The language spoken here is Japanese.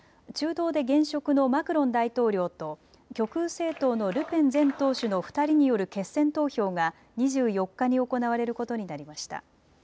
中道で現職のマクロン大統領と極右政党のルペン前党首の２人による決選投票が２４日に行われることになりました。